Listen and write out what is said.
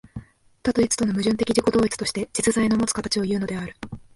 多と一との矛盾的自己同一として、実在のもつ形をいうのである。